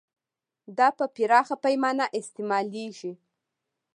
دا په پراخه پیمانه استعمالیږي.